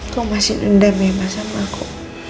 kamu masih endam ya mas sama aku